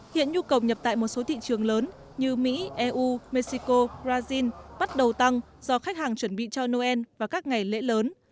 hiện nhu cầu nhập tại một số thị trường lớn như mỹ eu mexico brazil bắt đầu tăng do khách hàng chuẩn bị cho noel và các ngày lễ lớn